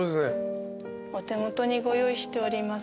お手元にご用意しております